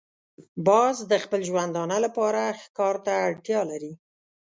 باز د خپل ژوندانه لپاره ښکار ته اړتیا لري